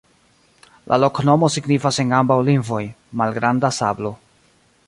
La loknomo signifas en ambaŭ lingvoj: malgranda sablo.